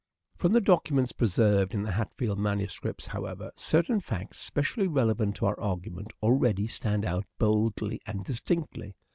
From the documents preserved in the Hatfield manuscripts, however, certain facts specially relevant to our argument already stand out boldly and distinctly.